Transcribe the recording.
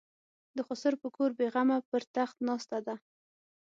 د خسر په کور بېغمه پر تخت ناسته ده.